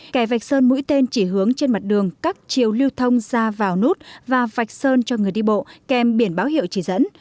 kẻ vạch sơn mũi tên chỉ hướng trên mặt đường cắt chiều lưu thông ra vào nút và vạch sơn cho người đi bộ kèm biển báo hiệu chỉ dẫn